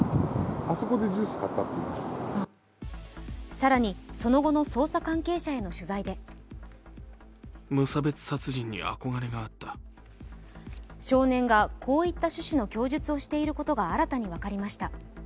更に、その後の捜査関係者への取材で少年がこういった趣旨の供述をしていることが新たに分かりました。